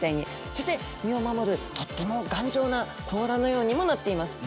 そして身を守るとっても頑丈な甲羅のようにもなっています。